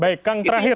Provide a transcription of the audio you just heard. baik kang terakhir